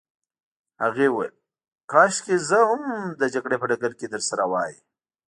هغې وویل: کاشکې زه هم د جګړې په ډګر کي درسره وای.